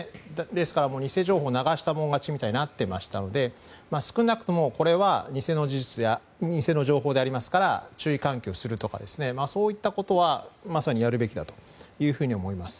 ですから偽情報を流したもん勝ちみたいになってましたので少なくともこれは偽の情報でありますから注意喚起をするとかそういったことはまさにやるべきだと思います。